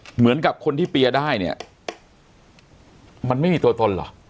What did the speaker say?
เหมือนกับคนที่เปียร์ได้เนี่ยมันไม่มีตัวตนเหรอ